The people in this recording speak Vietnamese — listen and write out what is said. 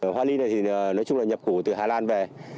hoa ly này thì nói chung là nhập khẩu từ hà lan về